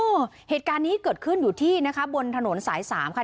เหตุการณ์นี้เกิดขึ้นอยู่ที่นะคะบนถนนสายสามค่ะ